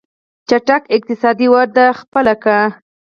چټکه اقتصادي وده خپله کړي.